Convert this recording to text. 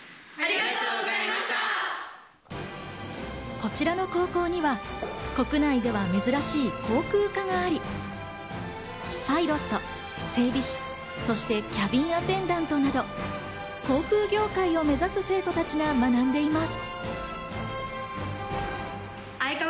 こちらの高校には国内では珍しい航空科があり、パイロット、整備士、そしてキャビンアテンダントなど航空業界を目指す生徒たちが学んでいます。